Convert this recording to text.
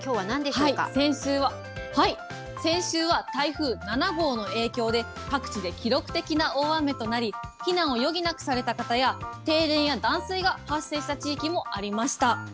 先週は、台風７号の影響で、各地で記録的な大雨となり、避難を余儀なくされた方や、停電や断水が発生した地域もありました。